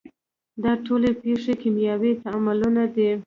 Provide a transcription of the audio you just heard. دا ټولې پیښې کیمیاوي تعاملونه دي.